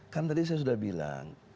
kan tadi saya sudah bilang